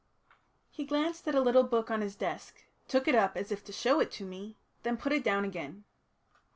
He glanced at a little book on his desk, took it up as if to show it me, then put it down again.